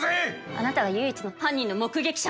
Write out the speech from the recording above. あなたが唯一の犯人の目撃者なんです！